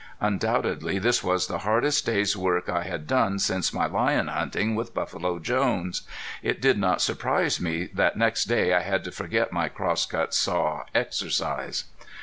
Undoubtedly this was the hardest day's work I had done since my lion hunting with Buffalo Jones. It did not surprise me that next day I had to forget my crosscut saw exercise.